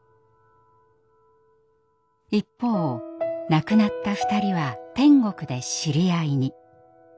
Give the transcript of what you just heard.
一方亡くなった２人は天国で知り合いに。